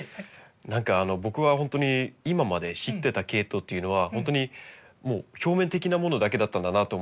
何か僕は本当に今まで知ってたケイトウっていうのは本当にもう表面的なものだけだったんだなと思って。